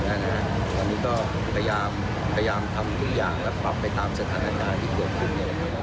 อันนี้ก็พยายามทำทุกอย่างและปรับไปตามสถานการณ์ที่เกิดขึ้น